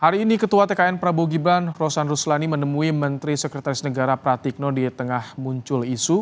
hari ini ketua tkn prabowo gibran rosan ruslani menemui menteri sekretaris negara pratikno di tengah muncul isu